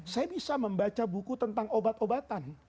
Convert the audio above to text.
saya bisa membaca buku tentang obat obatan